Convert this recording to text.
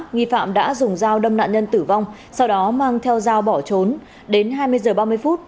nghi phạm đã dùng dao đâm nạn nhân tử vong sau đó mang theo dao bỏ trốn đến hai mươi h ba mươi phút